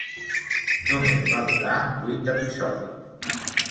Només va durar vuit episodis.